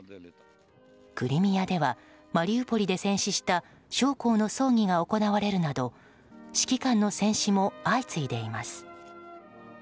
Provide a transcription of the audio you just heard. クリミアではマリウポリで戦死した将校の葬儀が行われるなど指揮官の戦死も相次いでいます。